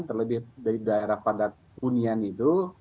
terlebih dari daerah padat hunian itu